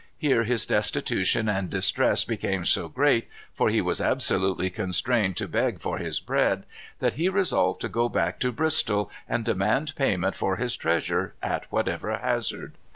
Here his destitution and distress became so great, for he was absolutely constrained to beg for his bread, that he resolved to go back to Bristol, and demand payment for his treasure at whatever hazard.